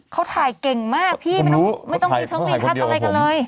เขาถ่ายเก่งมากพี่ไม่ต้องมีทั้งวีทัศน์อะไรกันเลย